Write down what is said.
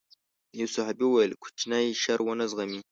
يو صحابي وويل کوچنی شر ونه زغمي.